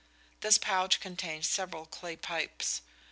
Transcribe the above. This pouch contains several clay pipes.